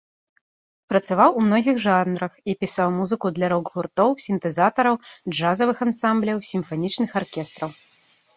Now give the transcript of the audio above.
Працаваў у многіх жанрах і пісаў музыку для рок-гуртоў, сінтэзатараў, джазавых ансамбляў, сімфанічных аркестраў.